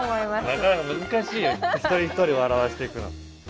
なかなか難しいよ一人一人笑わしていくのは。